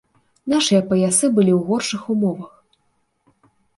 Нашыя паясы былі ў горшых умовах.